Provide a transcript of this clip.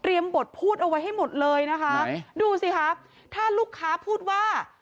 บทพูดเอาไว้ให้หมดเลยนะคะดูสิคะถ้าลูกค้าพูดว่า